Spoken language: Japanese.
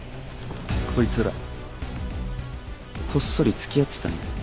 こいつらこっそり付き合ってたんだよ。